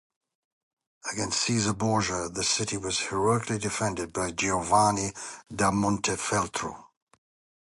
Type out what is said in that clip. Against Caesar Borgia the city was heroically defended by Giovanni da Montefeltro.